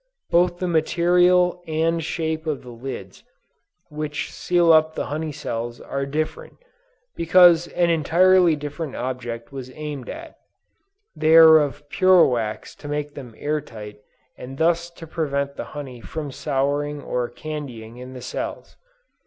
Both the material and shape of the lids which seal up the honey cells are different, because an entirely different object was aimed at; they are of pure wax to make them air tight and thus to prevent the honey from souring or candying in the cells!